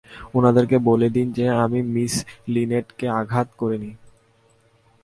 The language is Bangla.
উনাদেরকে বলে দিন যে আমি মিস লিনেটকে আঘাত করিনি!